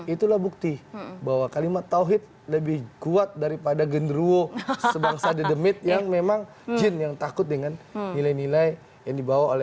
itulah bukti bahwa kalimat tawhid lebih kuat daripada genruo sebangsa demit yang memang jin yang takut dengan nilai nilai yang dibawa oleh